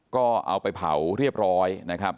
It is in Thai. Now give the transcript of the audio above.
ก็เอาไปเผาเรียบร้อยนะครับ